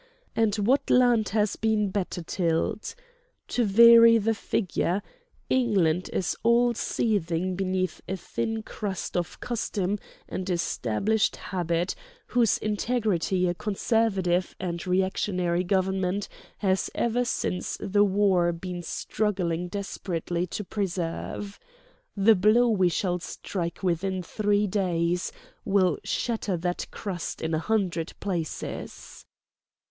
And what land has been better tilled? To vary the figure: England is all seething beneath a thin crust of custom and established habit whose integrity a conservative and reactionary government has ever since the war been struggling desperately to preserve. The blow we shall strike within three days will shatter that crust in a hundred places."